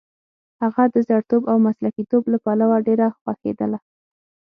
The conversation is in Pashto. هغه د زړورتوب او مسلکیتوب له پلوه ډېره خوښېدله.